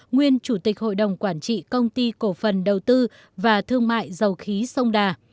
nguyên chủ tịch hội đồng quản trị công ty cổ phần đầu tư và thương mại dầu khí sông đà